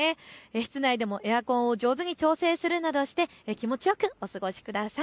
室内でもエアコンを上手に調整するなどして気持ちよくお過ごしください。